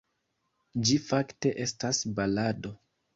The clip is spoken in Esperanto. Ĝi fakte estas balado.